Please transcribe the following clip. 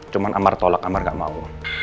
cuma amar tolak amar gak mau